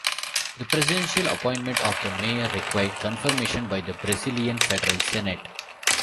The presidential appointment of the mayor required confirmation by the Brazilian Federal Senate.